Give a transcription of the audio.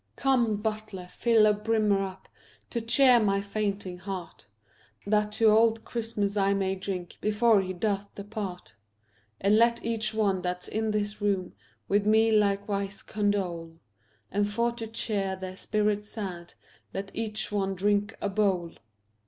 Come, butler, fill a brimmer up To cheer my fainting heart, That to old Christmas I may drink Before he doth depart; And let each one that's in this room With me likewise condole, And for to cheer their spirits sad Let each one drink a bowl.